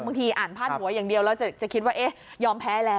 บางทีอ่านผ้าหัวอย่างเดียวเราจะคิดว่ายอมแพ้แล้ว